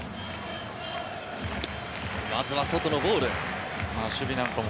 まずは外のボール。